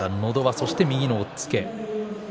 そして、右の押っつけ